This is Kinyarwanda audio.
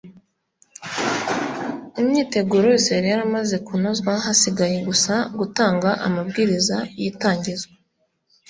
imyiteguro yose yari yaramaze kunozwa hasigaye gusa gutanga amabwiriza y itangizwa